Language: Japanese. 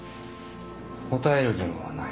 答える義務はない。